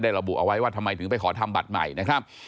ระบุเอาไว้ว่าทำไมถึงไปขอทำบัตรใหม่นะครับ